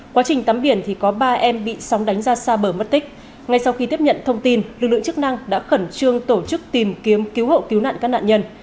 quá trình tắm biển thì có ba em bị sóng đánh ra xa bờ mất tích ngay sau khi tiếp nhận thông tin lực lượng chức năng đã khẩn trương tổ chức tìm kiếm cứu hộ cứu nạn các nạn nhân